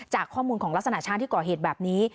จากข้อมูลของลักษณะช่างที่ก่อเหตุแบบนี้